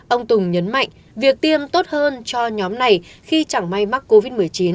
ông tùng nhấn mạnh việc tiêm tốt hơn cho nhóm này khi chẳng may mắc covid một mươi chín